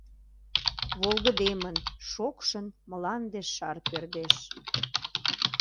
Волгыдемын, шокшын Мланде шар пӧрдеш.